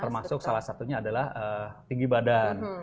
termasuk salah satunya adalah tinggi badan